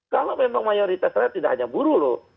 kalau memang mayoritas rakyat tidak hanya buruh loh